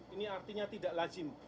ini artinya tidak lazim